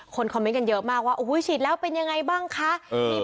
คอมเมนต์กันเยอะมากว่าโอ้โหฉีดแล้วเป็นยังไงบ้างคะ